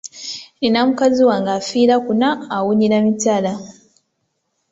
Nnina mukazi wange afiira kuno awunyira mitala.